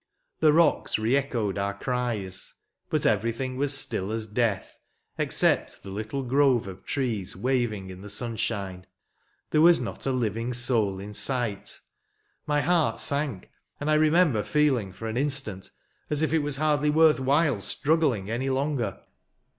The rocks re echoed our cries; but everything was still as death, except the little grove of trees waving in the sunshine. There was not a living soul in sight. My heart saok, and, I remember feeling, for an instant, as if it was hardly worth while struggling any longer.